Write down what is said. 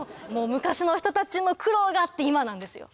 昔の人たちの苦労があって今なんですよ。